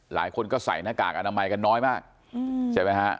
หลายคนก็ใส่หน้ากากอนามัยกันน้อยมากใช่ไหมฮะ